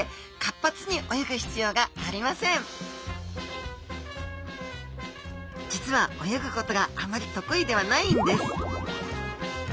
実は泳ぐことがあまり得意ではないんです